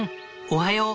おはよう。